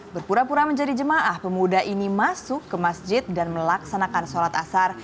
berpura pura menjadi jemaah pemuda ini masuk ke masjid dan melaksanakan sholat asar